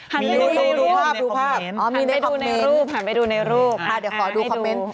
หันไปดูในคอมเม้นหันไปดูในรูปหันไปดูในรูปค่ะเดี๋ยวขอดูคอมเม้น